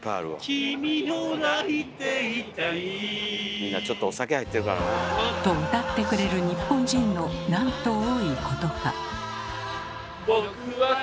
みんなちょっとお酒入ってるからな。と歌ってくれる日本人のなんと多いことか。